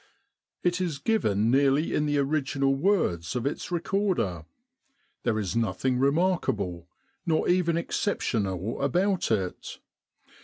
It is given nearly in the original words of its recorder. There is nothing remarkable, nor even exceptional, about it.